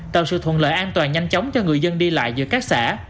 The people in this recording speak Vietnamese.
tạo sự thuận lợi an toàn nhanh chóng cho người dân đi lại giữa các xã